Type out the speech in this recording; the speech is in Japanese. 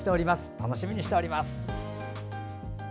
楽しみにしております。